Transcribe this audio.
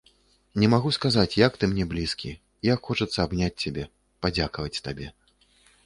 Не магу сказаць, як ты мне блізкі, як хочацца абняць цябе, падзякаваць табе.